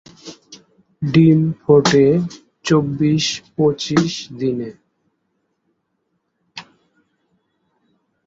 ডিম ফোটে চব্বিশ-পঁচিশ দিনে।